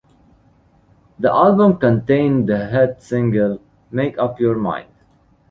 The album contained the hit single "Make Up Your Mind".